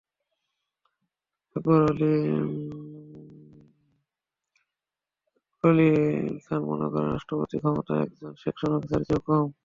আকবর আলি খান মনে করেন, রাষ্ট্রপতির ক্ষমতা একজন সেকশন অফিসারের চেয়েও কম।